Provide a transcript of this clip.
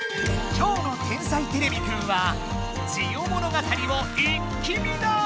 今日の「天才てれびくん」は「ジオ物語」を一気見だ！